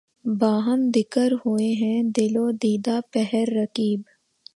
باہم دِکر ہوئے ہیں دل و دیده پهر رقیب